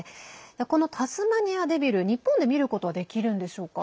このタスマニアデビル日本で見ることはできるんでしょうか。